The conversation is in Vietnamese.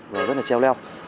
và rất là treo leo